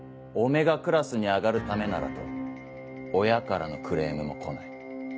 Ωクラスに上がるためならと親からのクレームも来ない。